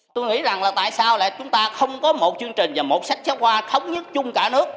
tôi nghĩ là tại sao chúng ta không có một chương trình và một sách giáo khoa